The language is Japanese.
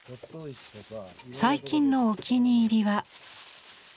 最近のお気に入りは。